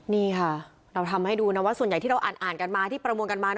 นี่ค่ะเราทำให้ดูนะว่าส่วนใหญ่ที่เราอ่านกันมาที่ประมวลกันมา